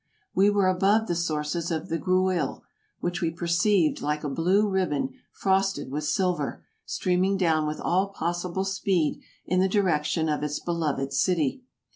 We were above the sources of the Gruil, which we perceived like a blue ribbon frosted with silver, streaming down with all possible speed in the direction of its beloved city.